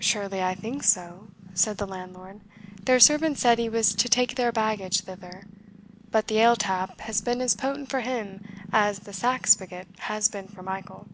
"Surely, I think so?" said the landlord; "their servant said he was to take their baggage thither. But the ale tap has been as potent for him as the sack spigot has been for Michael."